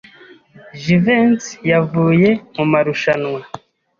Jivency yavuye mu marushanwa.